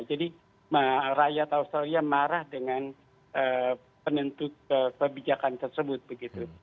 jadi rakyat australia marah dengan penentu kebijakan tersebut begitu